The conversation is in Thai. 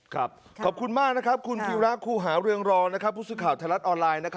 ครับขอบคุณมากนะครับคุณพีระครูหาเรืองรอพุศุข่าวถลัดออนไลน์